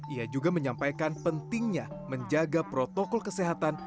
ia juga menyampaikan pentingnya menjaga protokol kesehatan